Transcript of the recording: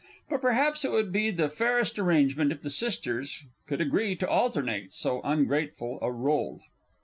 But perhaps it would be the fairest arrangement if the Sisters could agree to alternate so ungrateful a _rôle.